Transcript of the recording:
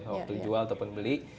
waktu dijual ataupun beli